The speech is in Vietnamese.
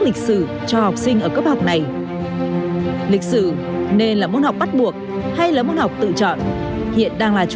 lịch sử đạo đức văn học